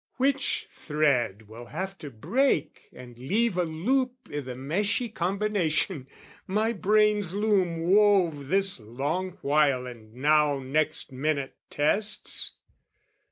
"Which thread will have to break and leave a loop "I' the meshy combination, my brain's loom "Wove this long while and now next minute tests?